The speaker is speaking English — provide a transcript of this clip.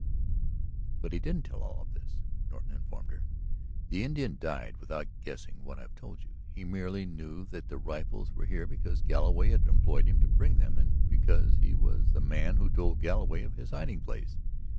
"But he didn't tell all of this," Norton informed her. "The Indian died without guessing what I have told you. He merely knew that the rifles were here because Galloway had employed him to bring them and because he was the man who told Galloway of this hiding place.